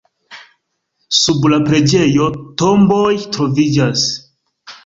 Sub la preĝejo tomboj troviĝas.